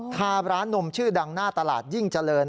ทาร้านนมชื่อดังหน้าตลาดยิ่งเจริญ